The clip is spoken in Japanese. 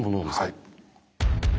はい。